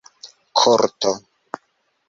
korto